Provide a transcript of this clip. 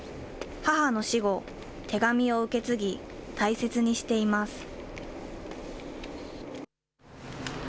母の死後、手紙を受け継ぎ、大切にしています。